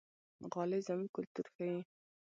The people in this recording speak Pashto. غالۍ زموږ کلتور ښيي.